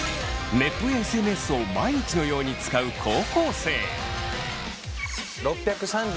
ネットやＳＮＳを毎日のように使う高校生。